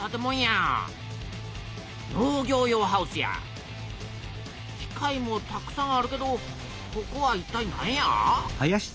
農業用ハウスや機械もたくさんあるけどここはいったいなんや？